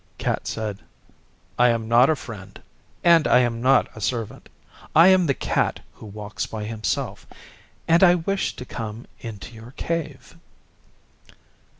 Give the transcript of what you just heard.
Cat said, 'I am not a friend, and I am not a servant. I am the Cat who walks by himself, and I wish to come into your cave.